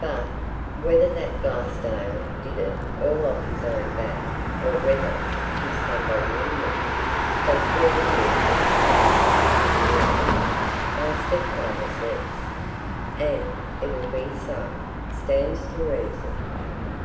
But, whether that Glassdale did it all off his own bat or whether he's somebody in with him, that's where the guilt'll be fastened in the end, my stepfather says. And it'll be so. Stands to reason!"